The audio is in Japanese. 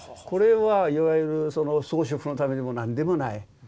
これはいわゆる装飾のためでも何でもない。